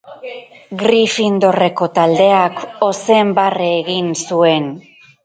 Gryffindorreko taldeak ozen barre egin zuen.